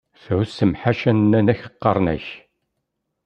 Tɛussem ḥaca nnan-ak qqaren-ak!